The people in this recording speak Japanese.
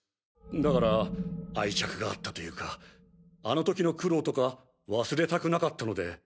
だから愛着があったというかあのときの苦労とか忘れたくなかったので。